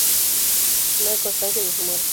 No hay constancia de su muerte.